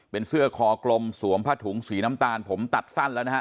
เป็นเสื้อคอกลมสวมผ้าถุงสีน้ำตาลผมตัดสั้นแล้วนะฮะ